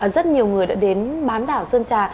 rất nhiều người đã đến bán đảo sơn trà